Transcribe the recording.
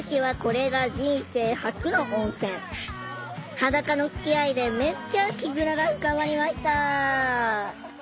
裸のつきあいでめっちゃ絆が深まりました！